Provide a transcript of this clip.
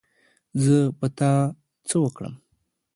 زه په تا څه وکړم